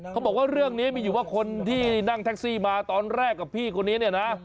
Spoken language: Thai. เขาบอกว่าเรื่องนี้มีอยู่ว่าคนที่นั่งแท็กซี่มาตอนแรกกับพี่คนนี้เนี่ยนะ